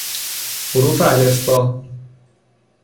حروف الفبا